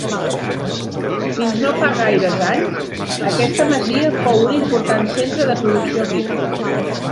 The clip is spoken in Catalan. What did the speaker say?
Fins no fa gaires anys, aquesta masia fou un important centre de producció agrícola.